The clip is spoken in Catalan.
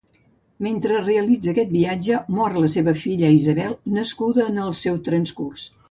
Mentre realitza aquest viatge, mor la seva filla Isabel, nascuda en el seu transcurs.